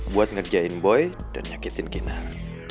buat ngerjain boy dan nyakitin kinar